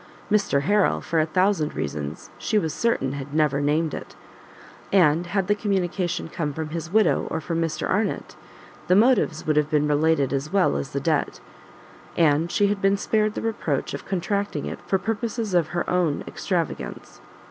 Mr Harrel, for a thousand reasons, she was certain had never named it; and had the communication come from his widow or from Mr Arnott, the motives would have been related as well as the debt, and she had been spared the reproach of contracting it for purposes of her own extravagance.